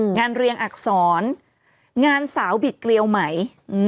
เรียงอักษรงานสาวบิดเกลียวไหม